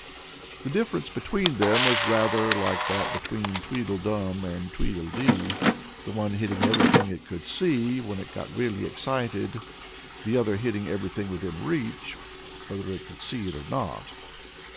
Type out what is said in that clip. The difference between them was rather like that between Tweedledum and Tweedledee, the one hitting everything it could see — when it got really excited," the other hitting everything within reach, whether it could see it or not.